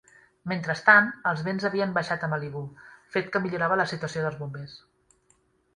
Mentrestant, els vents havien baixat a Malibú, fet que millorava la situació dels bombers.